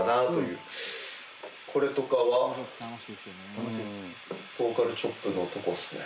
これとかはボーカルチョップのとこっすね。